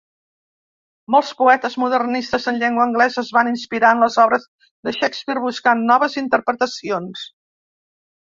Molts poetes modernistes en llengua anglesa es van inspirar en les obres de Shakespeare, buscant noves interpretacions.